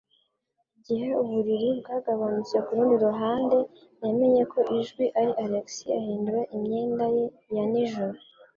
Igihe uburiri bwagabanutse ku rundi ruhande, yamenye ko ijwi ari Alex ahindura imyenda ye ya nijoro.